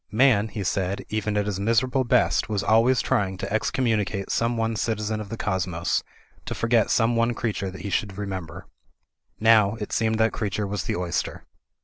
Man, he said, even at his miserable best, was always trying to excommunicate some one citizen of the cosmos, to forget some one creature that he should remember. Now, it seemed that creature was the oyster.